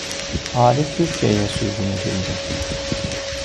Arif Türkiyəyə sürgün edildi.